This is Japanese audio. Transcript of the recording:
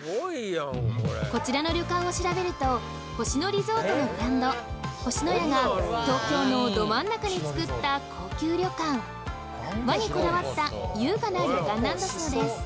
こちらの旅館を調べると星野リゾートのブランド星のやが東京のど真ん中につくった高級旅館和にこだわった優雅な旅館なんだそうです！